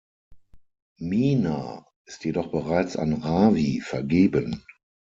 Meena ist jedoch bereits an Ravi vergeben.